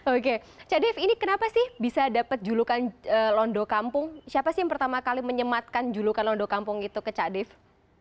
oke cak dave ini kenapa sih bisa dapat julukan londo kampung siapa sih yang pertama kali menyematkan julukan londo kampung itu ke cak dave